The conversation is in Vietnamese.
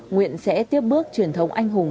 nguyện sẽ tiếp bước truyền thống anh hùng